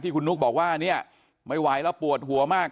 คุณนุ๊กบอกว่าเนี่ยไม่ไหวแล้วปวดหัวมาก